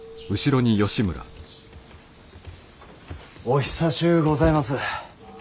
お久しゅうございます。